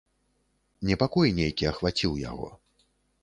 Непакой нейкі ахваціў яго.